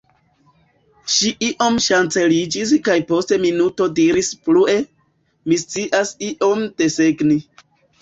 Ŝi iom ŝanceliĝis kaj post minuto diris plue: -- Mi scias iom desegni.